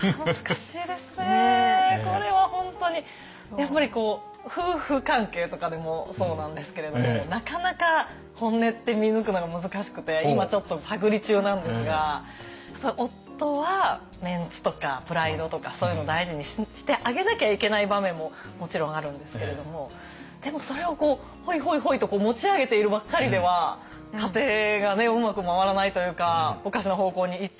やっぱり夫婦関係とかでもそうなんですけれどもなかなか本音って見抜くのが難しくて今ちょっと探り中なんですが夫はメンツとかプライドとかそういうの大事にしてあげなきゃいけない場面ももちろんあるんですけれどもでもそれをホイホイホイと持ち上げているばっかりでは家庭がうまく回らないというかおかしな方向に行っちゃう。